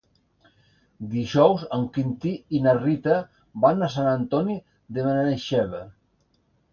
Dijous en Quintí i na Rita van a Sant Antoni de Benaixeve.